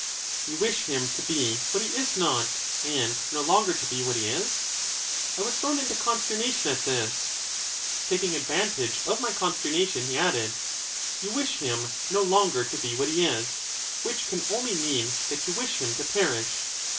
You wish him to be what he is not, and no longer to be what he is. I was thrown into consternation at this. Taking advantage of my consternation he added: EUTHYDEMUS 239 You wish him no longer to be what he is, which can only mean that you wish him to perish.